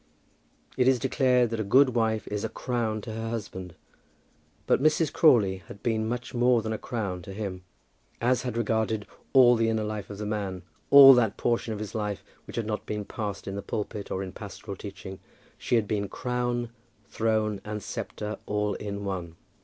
It is declared that a good wife is a crown to her husband, but Mrs. Crawley had been much more than a crown to him. As had regarded all the inner life of the man, all that portion of his life which had not been passed in the pulpit or in pastoral teaching, she had been crown, throne, and sceptre all in one.